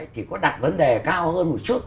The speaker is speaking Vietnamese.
thì có đặt vấn đề cao hơn một chút